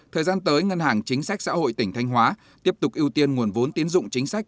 thời gian tới ngân hàng chính sách xã hội tỉnh thanh hóa tiếp tục ưu tiên nguồn vốn tiến dụng chính sách